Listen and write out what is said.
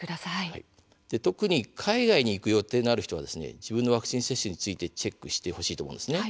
特に海外に行く予定のある人は自分のワクチン接種についてチェックしてほしいと思います。